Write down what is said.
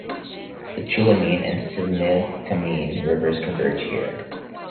The Tulameen and Similkameen Rivers converge here.